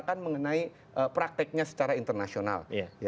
kita harus mengenai prakteknya secara internasional